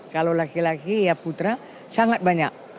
kalau laki laki ya putra sangat banyak